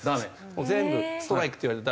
もう全部ストライクって言われる。